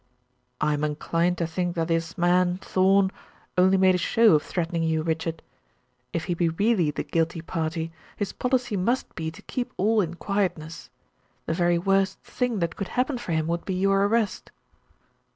"I am inclined to think that this man, Thorn, only made a show of threatening you, Richard. If he be really the guilty party, his policy must be to keep all in quietness. The very worst thing that could happen for him, would be your arrest."